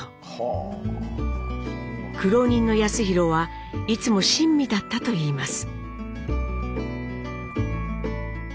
苦労人の康宏はいつも親身だったといいます。